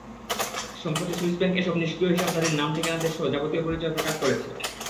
সম্প্রতি Swiss bank এসব নিষ্ক্রিয় হিসাবধারীর নাম, ঠিকানা, দেশসহ যাবতীয় পরিচয় প্রকাশ করেছে।